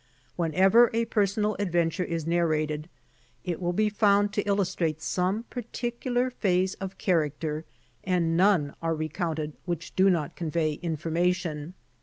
Whenever a personal adven ture is narrated, it will be found to illustrate some particular phase of character, and none are recounted which do not convey information.